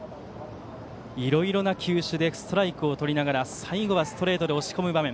いろいろな球種でストライクをとりながら最後はストレートで押し込む場面。